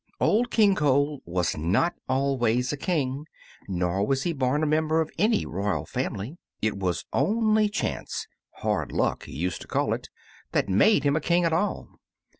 OLD KING COLE was not always a king, nor was he born a member of any royal family. It was only chance "hard luck" he used to call it that made him a king at all.